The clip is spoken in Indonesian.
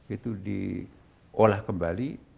itu diolah kembali